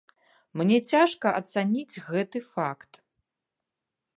Мне цяжка ацаніць гэты факт.